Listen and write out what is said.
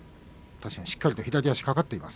確かにしっかりと左足が掛かっています。